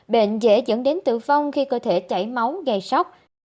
bệnh dễ dẫn đến tử vong khi cơ thể chảy máu gây sốc